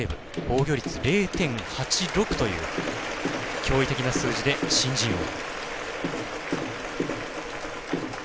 防御率０．８６という驚異的な数字で新人王。